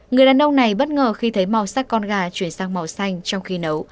người đàn ông này bất ngờ khi thấy màu sắc con gà chuyển sang màu xanh trong khi nấu